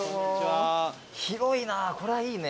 広いなこれはいいね。